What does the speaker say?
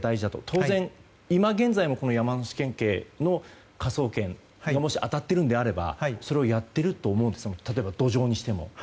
当然、今現在も山梨県警の科捜研がもし当たっているのであればそれをやっていると思うんですが土壌にしても。